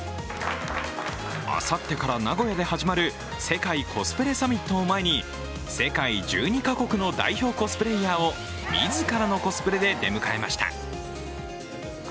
あさってから名古屋で始まる世界コスプレサミットを前に世界１２か国の代表コスプレーヤーを自らのコスプレで出迎えました。